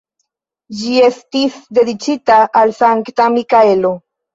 Ĝi estis dediĉita al Sankta Mikaelo.